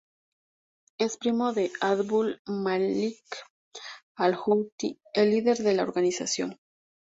Es primo de Abdul-Malik al-Houthi, el líder de la organización.